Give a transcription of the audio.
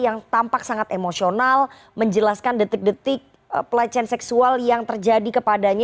yang tampak sangat emosional menjelaskan detik detik pelecehan seksual yang terjadi kepadanya